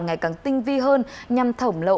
ngày càng tinh vi hơn nhằm thẩm lộ